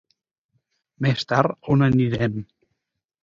Més tard, a on anaren?